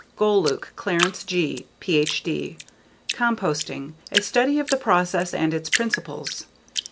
Golueke, Clarence G., Ph.D. _Composting: A Study of the Process and its Principles.